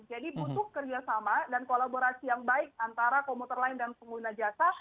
jadi butuh kerjasama dan kolaborasi yang baik antara komputer lain dan pengguna jasa